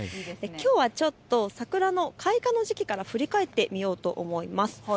きょうは桜の開花の時期から振り返ってみようと思います。